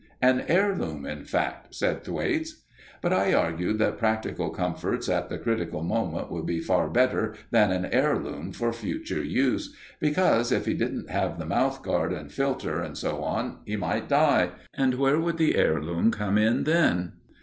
"An heirloom, in fact," said Thwaites. But I argued that practical comforts at the critical moment would be far better than an heirloom for future use, because if he didn't have the mouth guard and filter and so on, he might die; and where would the heirloom come in then?